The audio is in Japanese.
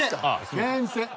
先生。